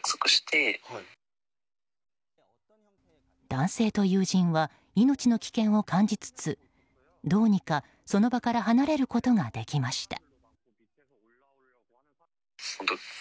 男性と友人は命の危険を感じつつどうにかその場から離れることができました。